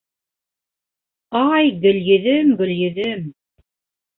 — Ай Гөлйөҙөм, Гөлйөҙөм...